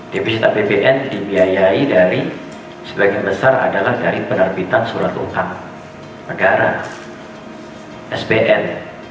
defisit apbn dibiayai dari sebagian besar adalah dari penerbitan surat utang negara sbn